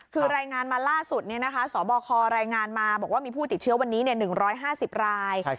คือรายงานมาล่าสุดสบครายงานมาบอกว่ามีผู้ติดเชื้อวันนี้๑๕๐ราย